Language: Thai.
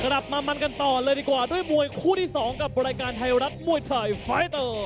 กลับมามันกันต่อเลยดีกว่าด้วยมวยคู่ที่๒กับรายการไทยรัฐมวยไทยไฟเตอร์